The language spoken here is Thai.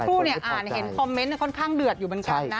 คู่อ่านเห็นคอมเมนต์ค่อนข้างเดือดอยู่เหมือนกันนะ